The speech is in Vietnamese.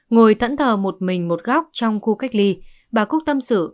ngồi thẫn thờ một mình một góc trong khu cách ly bà cúc tâm sự